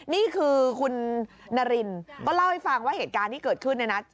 นี่คือคุณนารินก็เล่าให้ฟังว่าเหตุการณ์ที่เกิดขึ้นเนี่ยนะ